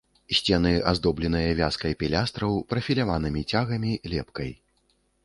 Сцены аздобленыя вязкай пілястраў, прафіляванымі цягамі, лепкай.